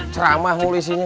ceramah mulu isinya